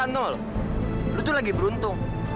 apa ini udah sejam ya